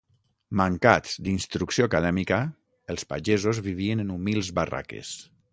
Mancats d'instrucció acadèmica, els pagesos vivien en humils barraques.